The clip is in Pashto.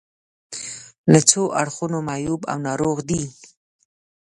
له څو اړخونو معیوب او ناروغ دي.